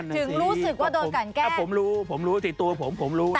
จึงรู้สึกว่าโดนการแกล้งผมรู้ผมรู้ติดตัวผมผมรู้ได้